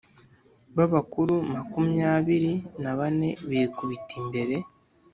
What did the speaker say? ba bakuru makumyabiri na bane bikubita imbere